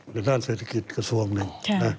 ด้านเศรษฐกิจกระทรวงหนึ่ง